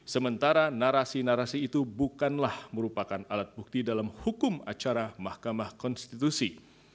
sementara narasi narasi itu bukanlah merupakan alat bukti dalam hukum acara mahkamah konstitusi